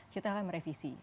kita akan merevisi